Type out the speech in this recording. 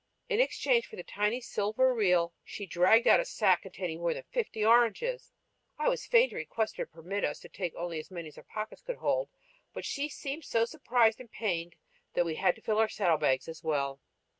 In exchange for the tiny silver real she dragged out a sack containing more than fifty oranges! I was fain to request her to permit us to take only as many as our pockets could hold; but she seemed so surprised and pained, we had to fill our saddle bags as well.